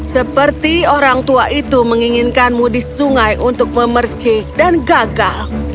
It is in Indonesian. seperti orang tua itu menginginkanmu di sungai untuk memerci dan gagal